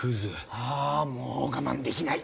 ああもう我慢できない！